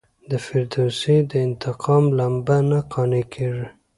د فردوسي د انتقام لمبه نه قانع کیږي.